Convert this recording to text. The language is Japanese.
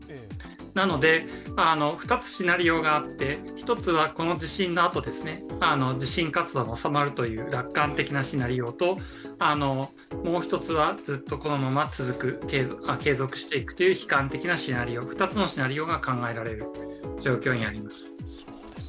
なので、２つシナリオがあって、１つはこの地震のあと地震活動が収まるという楽観的なシナリオと、もう一つはずっとこのまま続く継続していくという悲観的なシナリオ２つのシナリオが考えられる状況にあります。